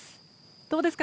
どうですか？